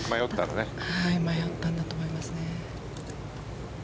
迷ったんだと思いますね。